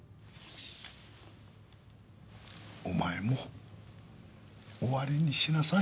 お前も終わりにしなさい。